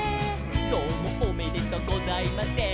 「どうもおめでとうございません」